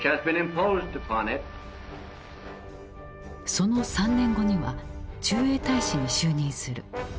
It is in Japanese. その３年後には駐英大使に就任する。